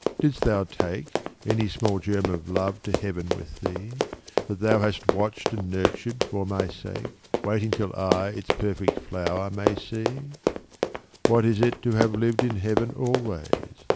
Didst thou take Any small germ of love to heaven with thee, That thou hast watched and nurtured for my sake, Waiting till I its perfect flower may see ? What is it to have lived in heaven always?